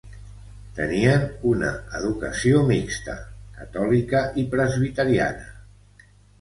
Tenien una educació mixta, catòlica i presbiteriana.